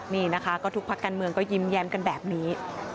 นี่นะคะก็ทุกพักการเมืองก็ยิ้มแย้มกันแบบนี้